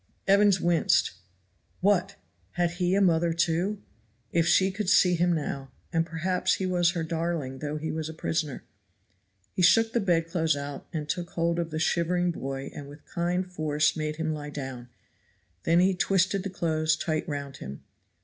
Evans winced. What! had he a mother, too? If she could see him now! and perhaps he was her darling though he was a prisoner. He shook the bed clothes out and took hold of the shivering boy and with kind force made him lie down; then he twisted the clothes tight round him.